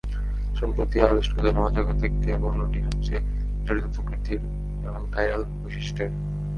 সম্প্রতি আবিষ্কৃত মহাজাগতিক জৈব অণুটি সবচেয়ে জটিল প্রকৃতির এবং কাইরাল বৈশিষ্ট্যের।